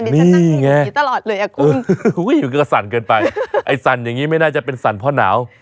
นี่ไงอุ้ยมันก็สั่นเกินไปไอ้สั่นอย่างนี้ไม่น่าจะเป็นสั่นเพราะหนาว